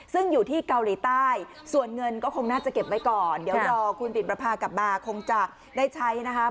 ซึ่งอยู่ที่เกาหลีใต้ส่วนเงินก็คงน่าจะเก็บไว้ก่อนเดี๋ยวรอคุณติดประพากลับมาคงจะได้ใช้นะคะ